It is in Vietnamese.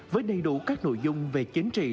với đầy đủ các nội dung về chiến trị